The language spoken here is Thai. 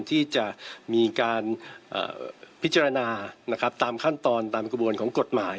ที่จะมีการพิจารณานะครับตามขั้นตอนตามกระบวนของกฎหมาย